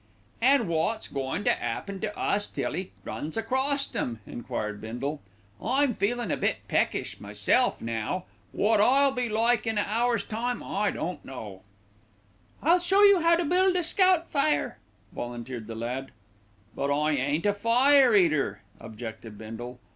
"An' wot's goin' to 'appen to us till 'e runs acrost 'em?" enquired Bindle. "I'm feelin' a bit peckish myself now wot I'll be like in a hour's time I don't know." "I'll show you how to build a scout fire," volunteered the lad. "But I ain't a fire eater," objected Bindle.